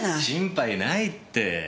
心配ないって。